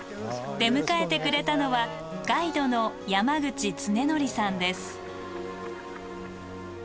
出迎えてくれたのはガイドの山口恒憲さんです。